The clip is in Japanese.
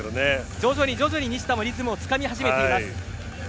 徐々に徐々に西田もリズムをつかみ始めています。